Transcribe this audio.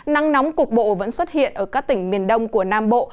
nắng nóng cục bộ vẫn xuất hiện ở các tỉnh miền đông của nam bộ